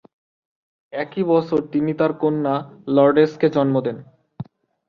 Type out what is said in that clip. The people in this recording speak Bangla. একই বছর তিনি তার কন্যা লর্ডেসকে জন্ম দেন।